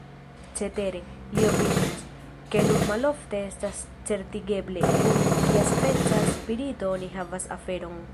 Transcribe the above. Cetere, li opinias, ke nur malofte estas certigeble, kun kiaspeca spirito oni havas aferon.